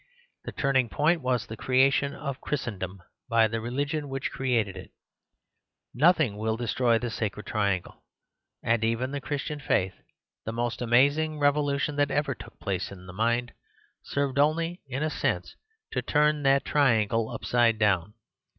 That turning point was the^reation of Christendom by the re ligion T'^^ph created it Nothing will destroy the sacred triangle; and even the Christian faith, the most amazing revolution that ever took place in the mind, served only in a sense to turn that triangle upside down.